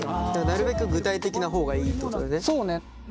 なるべく具体的な方がいいってことだよね。